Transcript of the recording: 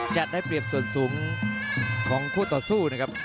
จะได้เปรียบส่วนสูงของคู่ต่อสู้นะครับ